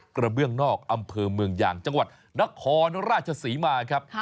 กระเบื้องนอกอำเภอเมืองยางจังหวัดนครราชศรีมาครับ